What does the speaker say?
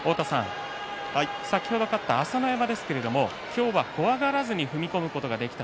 先ほど勝った朝乃山ですが今日は怖がらずに踏み込むことができた。